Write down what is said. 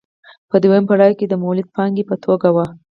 په دویم پړاو کې د مولده پانګې په توګه وه